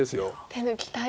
手抜きたい。